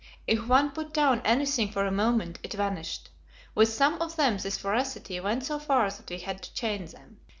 If one put down anything for a moment, it vanished. With some of them this voracity went so far that we had to chain them.